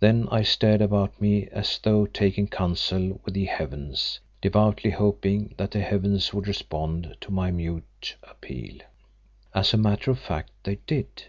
Then I stared about me as though taking counsel with the Heavens, devoutly hoping that the Heavens would respond to my mute appeal. As a matter of fact they did.